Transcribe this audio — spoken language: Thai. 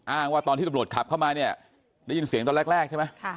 ว่าตอนที่ตำรวจขับเข้ามาเนี่ยได้ยินเสียงตอนแรกใช่ไหม